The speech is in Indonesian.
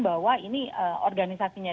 bahwa ini organisasinya